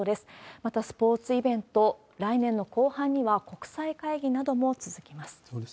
またスポーツイベント、来年の後半には国際会議なども続きます。